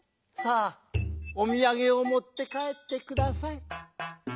さあおみやげをもってかえってください」。